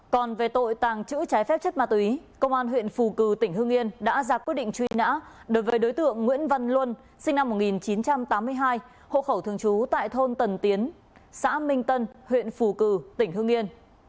còn về tội tàng trữ trái phép chất ma túy công an huyện phù cử tỉnh hưng yên đã ra quyết định truy nã đối với đối tượng nguyễn văn luân sinh năm một nghìn chín trăm tám mươi hai hộ khẩu thường trú tại thôn tần tiến xã minh tân huyện phù cử tỉnh hưng yên